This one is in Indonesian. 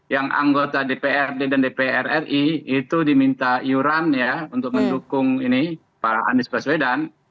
yang anggota dprd dan dprri itu diminta yuran untuk mendukung para anies baswedan